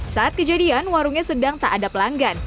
saat kejadian warungnya sedang tak ada pelanggan